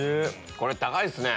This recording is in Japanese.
これ高いっすね。